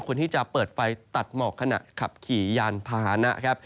คนที่จะเปิดไฟตัดหมอกขณะขับขี่ยานพาหนะครับ